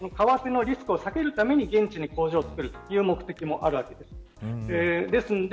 為替のリスクを避けるために現地に工場をたてるという目的もあります。